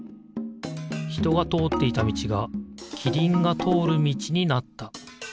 ひとがとおっていたみちがキリンがとおるみちになった。